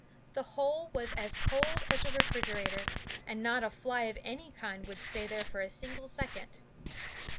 The hole was as cold as a refrigerator, and not a fly of any kind would stay there for a single second.